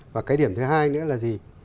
và cái điểm thứ hai nữa là gì